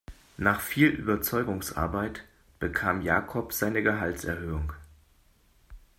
Nach viel Überzeugungsarbeit bekam Jakob seine Gehaltserhöhung.